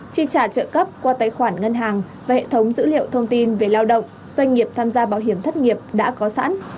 chi trả trợ cấp qua tài khoản ngân hàng và hệ thống dữ liệu thông tin về lao động doanh nghiệp tham gia bảo hiểm thất nghiệp đã có sẵn